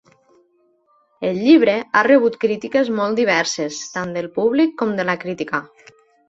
El llibre ha rebut crítiques molt diverses, tant del públic com de la crítica.